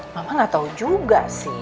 mama gak tahu juga sih